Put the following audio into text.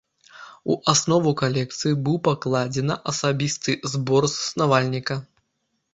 У аснову калекцыі быў пакладзена асабісты збор заснавальніка.